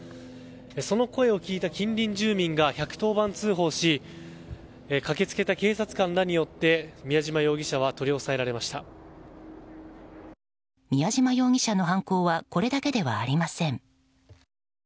その声を聞いた近隣住民が１１０番通報し駆け付けた警察官らによって宮嶋容疑者は宮嶋容疑者の犯行はこれだけではありません。